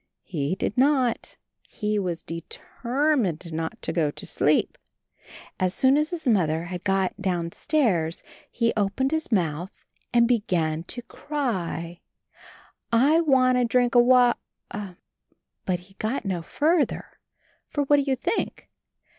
He did not. He was deter mined not to go to sleep. As soon as his Mother had got downstairs, he opened his mouth and began to cry, "I want a drink of wa " but he got no further, for, what do you think?